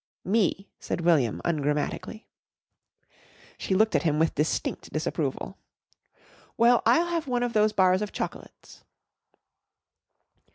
"Me," said William ungrammatically. She looked at him with distinct disapproval. "Well, I'll have one of those bars of chocolates."